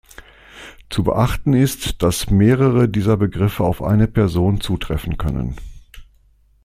Zu beachten ist, dass mehrere dieser Begriffe auf eine Person zutreffen können.